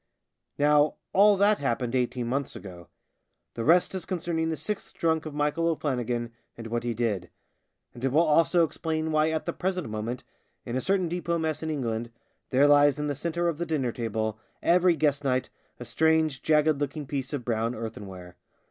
Now all that happened eighteen months ago. The rest is concerning the sixth drunk of Michael O'Flannigan and what he did ; and it will also explain why at the present moment, in a certain depot mess in England, there lies in the centre of the dinner table, every guest night, a strange jagged looking piece of brown earthenware.